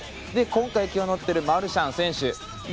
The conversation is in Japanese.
今回気になっているマルシャン選手。